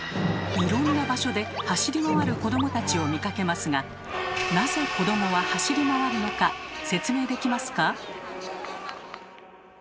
いろんな場所で走り回る子どもたちを見かけますがなぜ子どもは走り回るのか説明できますか？